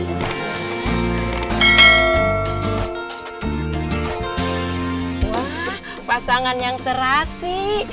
wah pasangan yang serasi